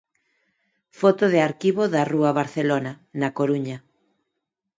Foto de arquivo da rúa Barcelona, Na Coruña.